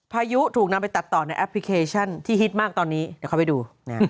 พายุถูกนำไปตัดต่อในแอปพลิเคชันที่ฮิตมากตอนนี้เดี๋ยวเขาไปดู